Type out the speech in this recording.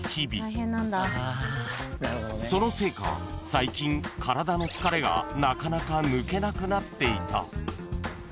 ［そのせいか最近体の疲れがなかなか抜けなくなっていた］